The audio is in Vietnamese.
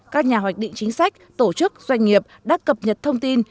các nhà hoạch định chính sách tổ chức doanh nghiệp đã cập nhật thông tin